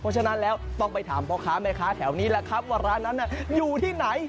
ฉะนั้นแล้วต้องไปถามปอกคาแถวนี้แหละครับว่าร้านนั้นอยู่ที่ไหน